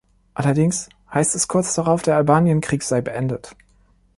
Allerdings heißt es kurz darauf, der Albanien-Krieg sei beendet.